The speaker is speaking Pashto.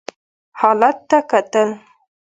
حالت ته کتل.